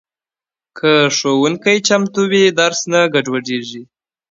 که ښوونکی چمتو وي، درس نه ګډوډېږي.